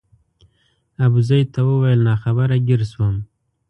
ابوزید ته وویل ناخبره ګیر شوم.